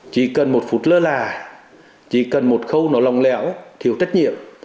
chỉ cần một phút lơ là chỉ cần một khâu nó lòng lèo thiếu trách nhiệm